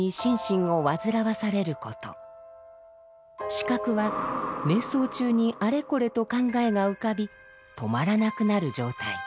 「思覚」は瞑想中にあれこれと考えが浮かび止まらなくなる状態。